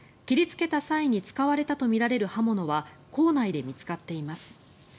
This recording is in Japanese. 切りつけた際に使われたとみられる刃物は校内で見つかっています。